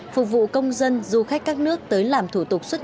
phục vụ công dân du khách các nước tới làm thủ tục xuất nhập